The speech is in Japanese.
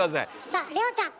さあ里穂ちゃん。